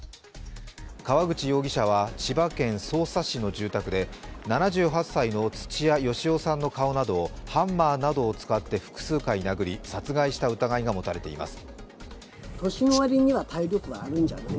川口容疑者は千葉県匝瑳市の住宅で７８歳の土屋好夫さんの顔などをハンマーなどを使って複数回殴り殺害した疑いが持たれています。